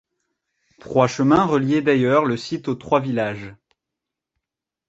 Trois chemins reliaient d’ailleurs le site aux trois villages.